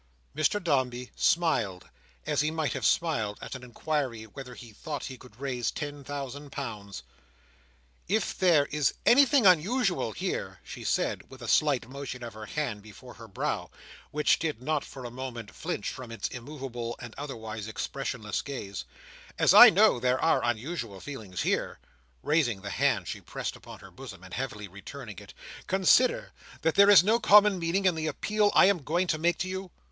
Mr Dombey smiled, as he might have smiled at an inquiry whether he thought he could raise ten thousand pounds. "If there is anything unusual here," she said, with a slight motion of her hand before her brow, which did not for a moment flinch from its immovable and otherwise expressionless gaze, "as I know there are unusual feelings here," raising the hand she pressed upon her bosom, and heavily returning it, "consider that there is no common meaning in the appeal I am going to make you.